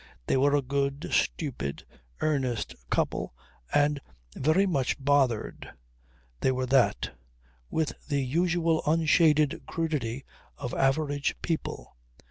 They were a good, stupid, earnest couple and very much bothered. They were that with the usual unshaded crudity of average people.